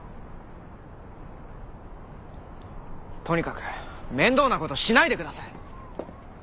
とにかく面倒な事しないでください！